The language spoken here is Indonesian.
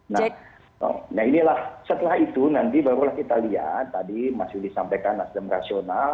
nah inilah setelah itu nanti barulah kita lihat tadi mas yudi sampaikan nasdem rasional